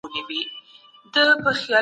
هر سياستوال د خپل قدرت سره سم کار کوي.